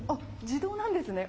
自動なんですね。